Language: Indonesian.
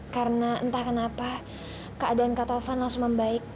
karena entah kenapa keadaan kak tovan langsung membaik